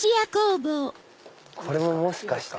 これももしかして。